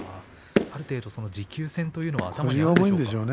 持久戦というのは頭にあるでしょうね。